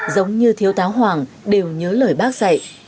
giống như thiếu tá hoàng đều nhớ lời bác dạy